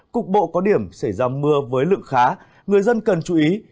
cục bộ có điểm xảy ra mưa với lượng khá người dân cần chú ý